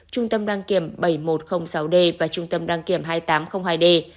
trung tâm đăng kiểm bảy nghìn một trăm linh sáu d và trung tâm đăng kiểm hai nghìn tám trăm linh hai d